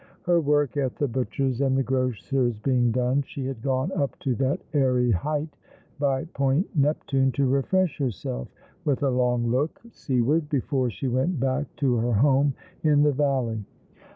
Her work at the butcher's and the grocer's being done, she had gone up to that airy height by Point Keptune to refresh herself with a long look seaward before she went back to her home in the valley.